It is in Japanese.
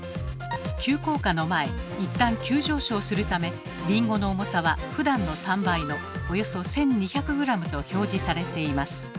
急降下の前一旦急上昇するためリンゴの重さはふだんの３倍のおよそ１，２００ｇと表示されています。